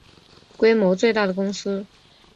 规模最大的公司